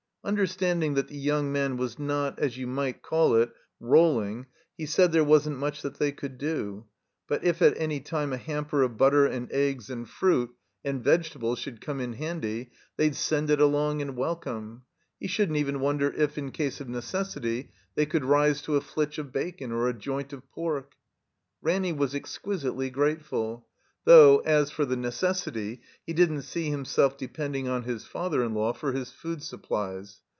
Understanding that the young man was not, as you might call it, rolling, he said there wasn't much that they could do, but if at any time a hamper of butter and eggs and fruit I2S THE COMBINED MAZE and vegetables should come in handy, they'd send it along and welcome; he shouldn't even wonder if, in case of necessity, they could rise to a flitch of bacon or a joint of pork. Ranny was exquisitely grateftil; though, as for the necessity, he didn't see himself depending on his father in law for his food supplies.